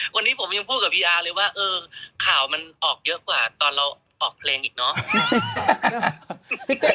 วันนี้ผมยังพูดกับพี่อาเลยว่าเออข่าวมันออกเยอะกว่าตอนเราออกเพลงอีกเนอะ